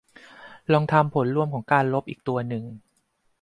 ลองทำผลรวมของการลบอีกตัวหนึ่ง